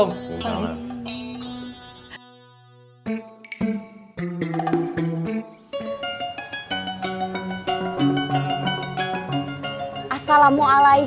gak apa wuli